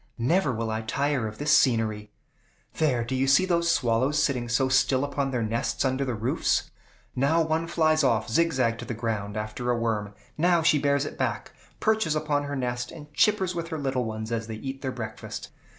"Never will I tire of this scenery. There; do you see those swallows sitting so still upon their nests under the roofs? Now one flies off zigzag to the ground, after a worm; now she bears it back, perches upon her nest, and chippers with her little ones as they eat their breakfast.